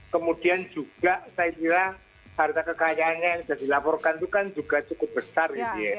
kemudian juga saya kira harga kekayaannya yang sudah dilaporkan itu kan juga cukup besar